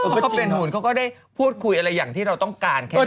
เขาก็เป็นหุ่นเขาก็ได้พูดคุยอะไรอย่างที่เราต้องการแค่นั้น